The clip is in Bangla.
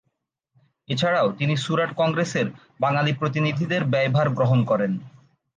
এছাড়াও তিনি সুরাট কংগ্রেসের বাঙালি প্রতিনিধিদের ব্যয় ভার বহন করেন।